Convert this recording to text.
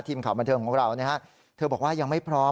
ทีมข่าวบันเทิงของเรานะฮะเธอบอกว่ายังไม่พร้อม